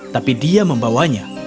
tapi dia membawanya